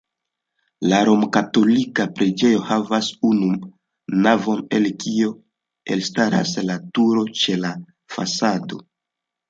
La romkatolika preĝejo havas unu navon, el kio elstaras la turo ĉe la fasado.